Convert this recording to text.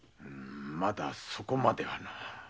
まだそこまではな。